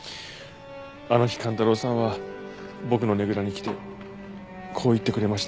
あの日寛太郎さんは僕のねぐらに来てこう言ってくれました。